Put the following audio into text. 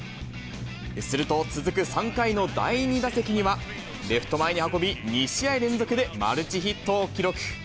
すると続く３回の第２打席には、レフト前に運び、２試合連続でマルチヒットを記録。